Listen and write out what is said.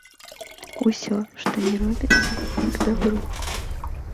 Усё, што не робіцца, к дабру.